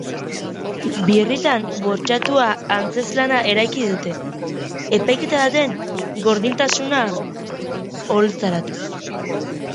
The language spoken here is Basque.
Birritan bortxatua antzezlana eraiki dute, epaiketa baten gordintasuna oholtzaratuz.